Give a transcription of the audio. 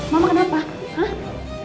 mama kenapa hah